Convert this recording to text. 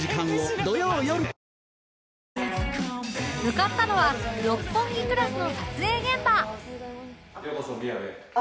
向かったのは『六本木クラス』の撮影現場ようこそみやべへ。